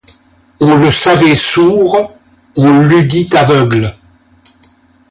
On le savait sourd, on l'eût dit aveugle.